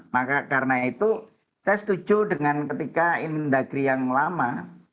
maka karena itu saya setuju dengan ketika in mendagri yang lama